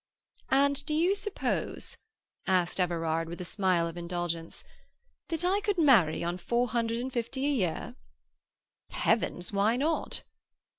"And do you suppose," asked Everard, with a smile of indulgence, "that I could marry on four hundred and fifty a year?" "Heavens! Why not?"